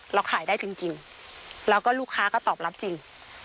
เราขายได้จริงแล้วก็ลูกค้าก็ตอบรับจริง